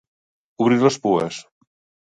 Obrir les pues.